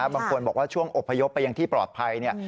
บางคนบอกว่าช่วงอบพยพไปอย่างที่ปลอดภัย